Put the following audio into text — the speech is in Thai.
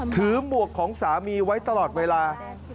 หมวกของสามีไว้ตลอดเวลา